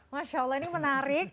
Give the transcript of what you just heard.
masya allah ini menarik